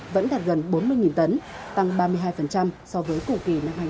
vẫn đạt gần bốn mươi tấn tăng ba mươi hai so với cũ kỳ năm hai nghìn hai mươi